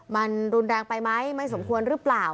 มันรุนแรงไปไหมไม่สมควรหรือเปล่า